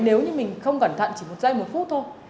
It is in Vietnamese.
nếu như mình không cẩn thận chỉ một giây một phút thôi